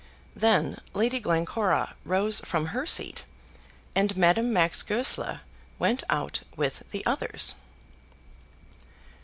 Then Lady Glencora rose from her seat, and Madame Max Goesler went out with the others.